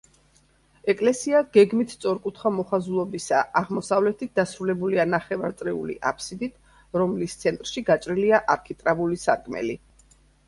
ეკლესია გეგმით სწორკუთხა მოხაზულობისაა, აღმოსავლეთით დასრულებულია ნახევარწრიული აბსიდით, რომლის ცენტრში გაჭრილია არქიტრავული სარკმელი.